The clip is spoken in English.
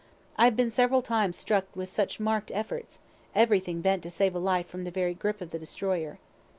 I have been several times struck with such mark'd efforts everything bent to save a life from the very grip of the destroyer.